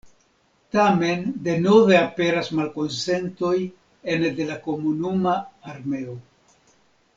Tamen denove aperas malkonsentoj ene de la komunuma armeo.